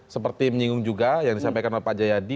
seperti menyinggung juga yang disampaikan oleh pak jayadi